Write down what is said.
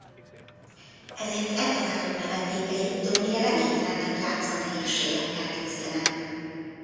Ezért e tanárok növendékei többnyire reménytelennek látszó nehézségekkel küzdenek.